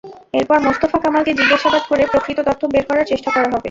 এরপর মোস্তফা কামালকে জিজ্ঞাসাবাদ করে প্রকৃত তথ্য বের করার চেষ্টা করা হবে।